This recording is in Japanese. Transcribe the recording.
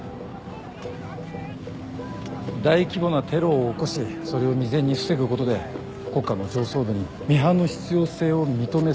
大規模なテロを起こしそれを未然に防ぐことで国家の上層部にミハンの必要性を認めさせる。